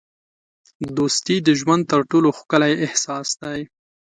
دوستي د ژوند تر ټولو ښکلی احساس دی.